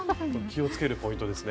気をつけるポイントですね。